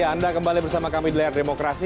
ya anda kembali bersama kami di layar demokrasi